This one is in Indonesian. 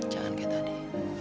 jangan kayak tadi